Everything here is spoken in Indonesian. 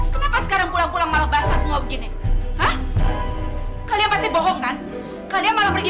kenapa sekarang pulang pulang malah basah semua begini hah kalian pasti bohong kan kalian malah pergi